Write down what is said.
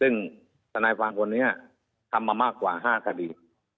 ซึ่งทนายความคนนี้ทำมามากกว่า๕คดี